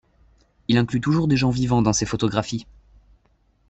Il inclut toujours des gens vivants dans ses photographies.